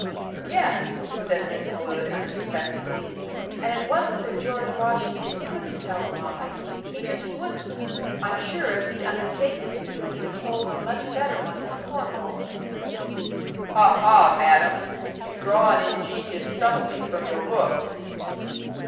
"Yes," said Miss Wood, unexpectedly. "And it wasn't that George Washington couldn't tell a lie. He just wouldn't. I'm sure if he'd undertaken to he'd have told a much better one than Cornwall's." "Ha ha, madam! You draw an ingenious subtlety from your books."